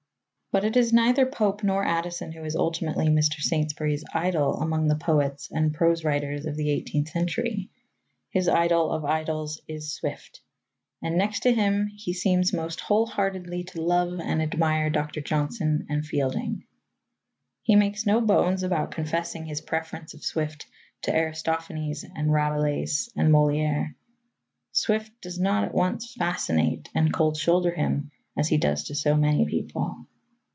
But it is neither Pope nor Addison who is ultimately Mr. Saintsbury's idol among the poets and prose writers of the eighteenth century. His idol of idols is Swift, and next to him he seems most wholeheartedly to love and admire Dr. Johnson and Fielding. He makes no bones about confessing his preference of Swift to Aristophanes and Rabelais and Molière. Swift does not at once fascinate and cold shoulder him as he does to so many people.